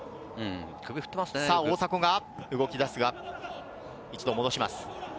大迫が動き出すが、一度戻します。